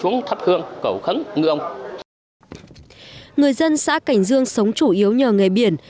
ngư dân xã cảnh dương sống chủ yếu nhờ người biển